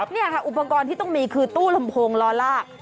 นี่ค่ะอุปกรณ์ที่ต้องมีคือตู้ลำโพงล้อลาก